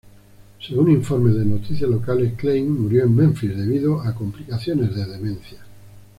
Según informes de noticias locales, Klein murió en Memphis debido a complicaciones de demencia.